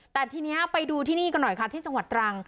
แต่ทีนี้ไปดูที่นี่กันหน่อยค่ะที่จังหวัดตรัง